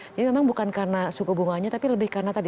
memang bukan karena suku bunganya tapi lebih karena tadi